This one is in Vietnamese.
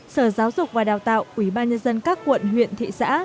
sở giáo dục và đào tạo ủy ban nhân dân các quận huyện thị xã